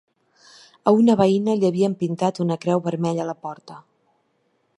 A una veïna li havien pintat una creu vermella a la porta.